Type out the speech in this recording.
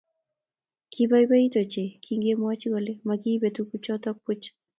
Kibaibait ochei kingemwochi kole magiibe tuguchoto buuch